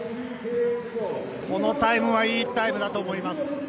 このタイムはいいタイムだと思います。